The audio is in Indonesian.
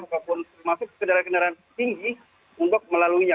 ataupun masuk ke kendaraan kendaraan tinggi untuk melaluinya